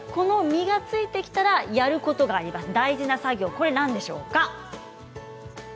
実がついてきたらやることがあります、大事な作業なんでしょうか。